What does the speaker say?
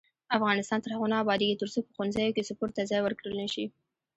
افغانستان تر هغو نه ابادیږي، ترڅو په ښوونځیو کې سپورت ته ځای ورکړل نشي.